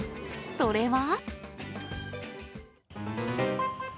それは。